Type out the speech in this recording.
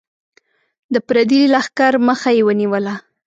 د پردي لښکر مخه یې ونیوله.